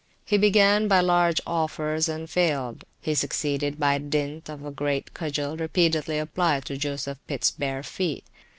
He began by large offers and failed; he succeeded by dint of a great cudgel repeatedly applied to Joseph Pitts bare feet.